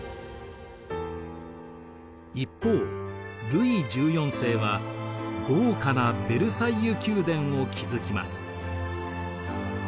一方ルイ１４世は豪華なヴェルサイユ宮殿を築きます。